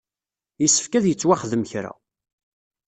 Yessefk ad yettwaxdem kra.